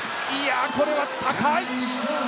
これは高い！